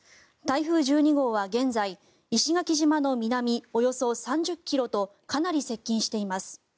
台風１２号は現在石垣島の南およそ３０ｋｍとかなり接近しています。